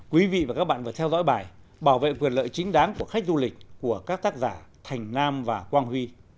quý vị và các bạn vừa theo dõi bài bảo vệ quyền lợi chính đáng của khách du lịch của các tác giả thành nam và quang huy